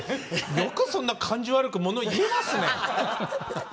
よくそんな感じ悪くもの言えますね。